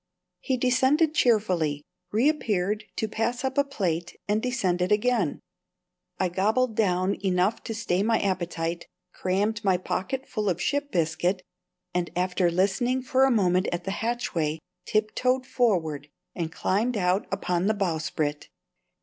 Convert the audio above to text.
He descended cheerfully, reappeared to pass up a plate, and descended again. I gobbled down enough to stay my appetite, crammed my pocket full of ship biscuit, and, after listening for a moment at the hatchway, tiptoed forward and climbed out upon the bowsprit.